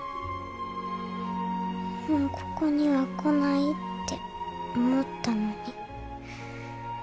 もうここには来ないって思ったのに。